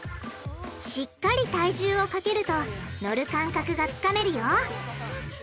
しっかり体重をかけるとのる感覚がつかめるよ！